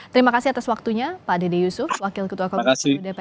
terima kasih atas waktunya pak dede yusuf wakil ketua komisi dpr